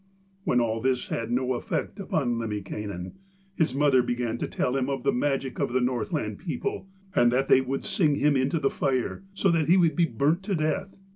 When all this had no effect upon Lemminkainen, his mother began to tell him of the magic of the Northland people, and that they would sing him into the fire so that he would be burnt to death.